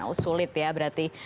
oh sulit ya berarti